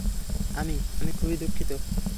আমি-- আমি খুবই দুঃখিত।